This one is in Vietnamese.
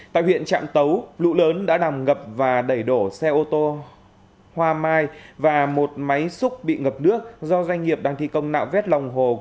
tại huyện trạm tấu lũ lớn đã làm ngập và đẩy đổ xe ô tô hoa mai và một máy xúc bị ngập nước do doanh nghiệp đang thi công nạo vét lòng hồ